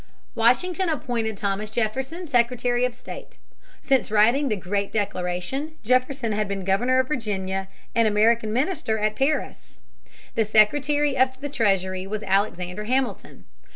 Washington appointed Thomas Jefferson Secretary of State. Since writing the Great Declaration, Jefferson had been governor of Virginia and American minister at Paris. The Secretary of the Treasury was Alexander Hamilton.